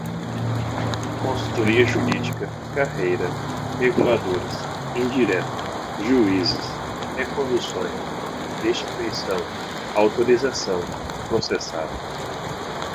consultoria jurídica, carreira, reguladoras, indireta, juízes, reconduções, destituição, autorização, processado